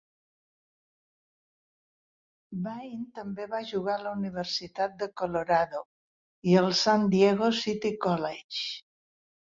Bain també va jugar a la Universitat de Colorado i al San Diego City College.